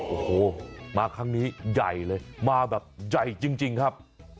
โอ้โหมาครั้งนี้ใหญ่เลยมาแบบใหญ่จริงครับ